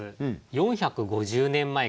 ４５０年前かな。